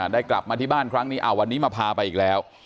ได้กลับมาที่บ้านครั้งนี้วันนี้มาพาไปอีกแล้ว